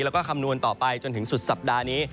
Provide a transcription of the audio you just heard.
แล้วก็คำนวณต่อไปจนถึงสุดสัปดาห์นี้